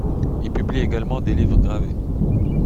Il publie également des livres gravés.